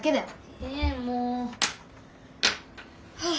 えもう。はあ。